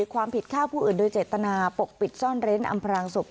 ความผิดฆ่าผู้อื่นโดยเจตนาปกปิดซ่อนเร้นอำพรางศพ